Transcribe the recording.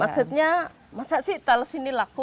maksudnya masa sih tales ini laku